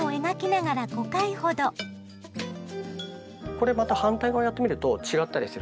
これまた反対側をやってみると違ったりするので。